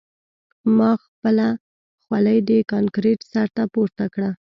ما خپله خولۍ د کانکریټ سر ته پورته کړه